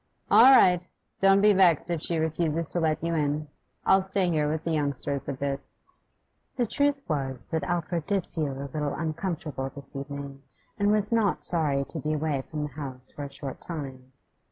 'All right. Don't be vexed if she refuses to let you in. I'll stay here with the youngsters a bit.' The truth was that Alfred did feel a little uncomfortable this evening, and was not sorry to be away from the house for a short time.